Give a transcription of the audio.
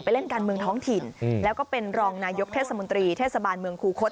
เล่นการเมืองท้องถิ่นแล้วก็เป็นรองนายกเทศมนตรีเทศบาลเมืองคูคศ